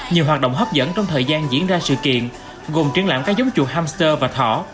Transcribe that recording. nhiều hoạt động hấp dẫn trong thời gian diễn ra sự kiện gồm triển lãm các giống chuột hamster và thỏ